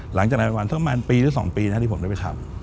หลังจากนั้นประมาณปีหรือสองปีนะที่ผมได้ไปทำ